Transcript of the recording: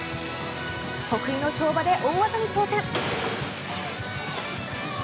得意の跳馬で大技に挑戦。